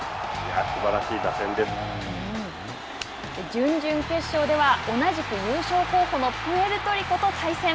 準々決勝では、同じく優勝候補のプエルトリコと対戦。